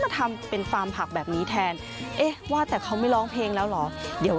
กำลังมาอยู่กันเก็บผักเลยค่ะกำลังเก็บผักเลย